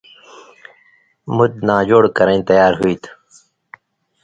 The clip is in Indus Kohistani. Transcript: مُت ناجوڑ کرَیں تیار ہُوئ تُھو۔